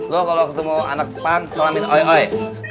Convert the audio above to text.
lo kalau ketemu anak pan salamnya oi oi